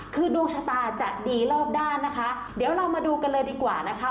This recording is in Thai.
คือดวงชะตาจะดีรอบด้านนะคะเดี๋ยวเรามาดูกันเลยดีกว่านะคะ